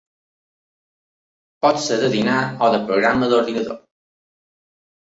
Pot ser de dinar o de programa d'ordinador.